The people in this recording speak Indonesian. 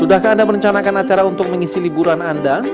sudahkah anda merencanakan acara untuk mengisi liburan anda